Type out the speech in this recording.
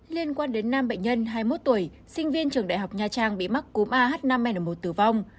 liên quan đến nam bệnh nhân hai mươi một tuổi sinh viên trường đại học nha trang bị mắc cúm ah năm n một tử vong